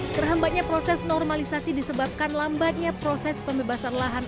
terhambatnya proses normalisasi disebabkan lambatnya proses pembebasan lahan